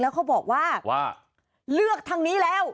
แล้วเขาบอกว่าเลือกทางนี้แล้ว